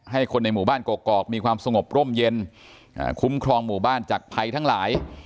ให้คนในหมู่บ้านกอกมีความสงบร่มเย็นคุ้มครองหมู่บ้านจากภัยทั้งหลาย